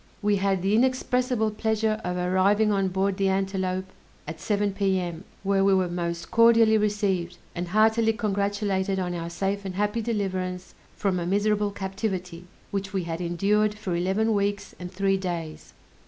We had the inexpressible pleasure of arriving on board the Antelope at 7 P.M., where we were most cordially received, and heartily congratulated on our safe and happy deliverance from a miserable captivity, which we had endured for eleven weeks and three days.